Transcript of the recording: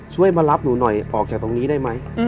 มารับหนูหน่อยออกจากตรงนี้ได้ไหม